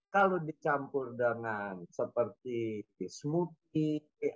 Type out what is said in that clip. kalau dicampur dengan seperti smoothie